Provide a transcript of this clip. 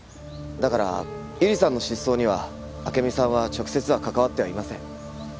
だから百合さんの失踪には暁美さんは直接は関わってはいません。